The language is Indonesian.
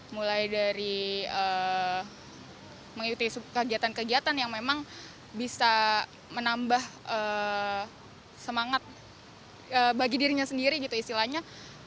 mulai dari mengikuti kegiatan kegiatan yang memang bisa menambah semangat bagi dirinya sendiri gitu istilahnya